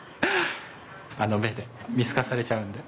あの目で見透かされちゃうんで。